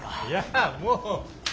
いやもう。